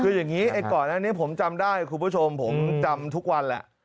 คืออย่างนี้ไอ้ก่อนอันนี้ผมจำได้คุณผู้ชมผมจำทุกวันแหละ